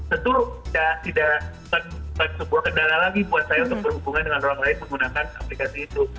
tentu tidak sebuah kendala lagi buat saya untuk berhubungan dengan orang lain menggunakan aplikasi itu